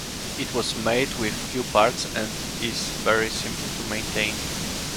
It was made with few parts and is very simple to maintain.